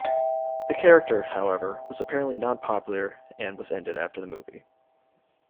The character, however, was apparently not popular and was ended after the movie.